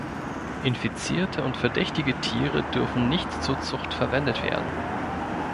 Infizierte und verdächtige Tiere dürfen nicht zur Zucht verwendet werden.